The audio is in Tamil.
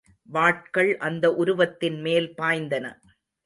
வாட்கள் அந்த உருவத்தின் மேல் பாய்ந்தன.